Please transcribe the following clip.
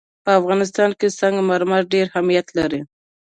په افغانستان کې سنگ مرمر ډېر اهمیت لري.